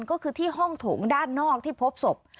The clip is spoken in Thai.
ก็คือที่ห้องโถงด้านนอกที่พบศพ